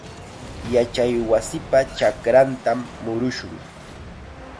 Yachaywasipa chakrantam murushun.